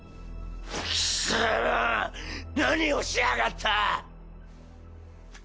貴様何をしやがった！